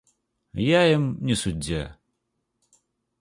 Я ім не суддзя.